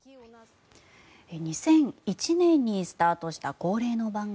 ２００１年にスタートした恒例の番組